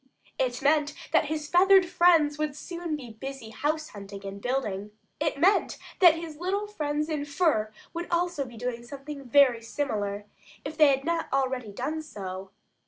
It meant that his feathered friends would soon be busy house hunting and building. It meant that his little friends in fur would also be doing something very similar, if they had not already done so.